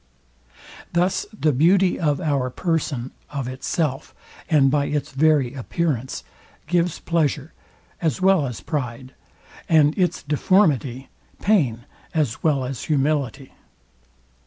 Thus the beauty of our person, of itself, and by its very appearance, gives pleasure, as well as pride; and its deformity, pain as well as humility.